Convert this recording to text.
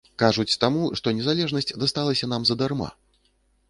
Кажуць, таму, што незалежнасць дасталася нам задарма.